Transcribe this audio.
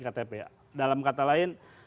ktp dalam kata lain